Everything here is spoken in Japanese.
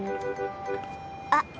あっ！